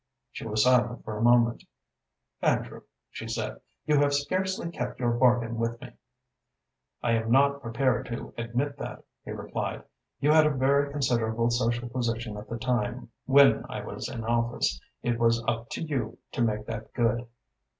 She was silent for a moment. "Andrew," she said, "you have scarcely kept your bargain with me." "I am not prepared to admit that," he replied. "You had a very considerable social position at the time when I was in office. It was up to you to make that good."